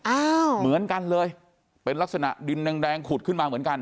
อ้าวเหมือนกันเลยเป็นลักษณะดินแดงแดงขุดขึ้นมาเหมือนกัน